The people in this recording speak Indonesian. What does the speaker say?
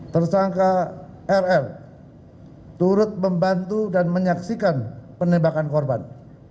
tersangka rl turut membantu dan menyaksikan penembakan korban